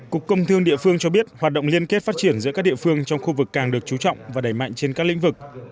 cục công thương địa phương cho biết hoạt động liên kết phát triển giữa các địa phương trong khu vực càng được chú trọng và đẩy mạnh trên các lĩnh vực